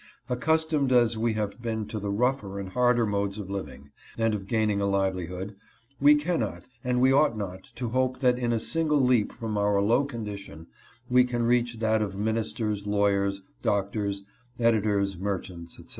Accustomed as we have been to the rougher and harder modes of living, and of gaining a livelihood, we cannot and we ought not to hope that in a single leap from our low condition, we can reach that of Ministers, Lawyers, Doctors, Editors, Merchants, etc.